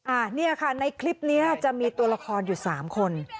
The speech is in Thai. อันนี้ค่ะในคลิปนี้จะมีตัวละครอยู่สามคน